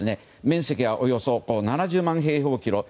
面積はおよそ７０万平方キロ。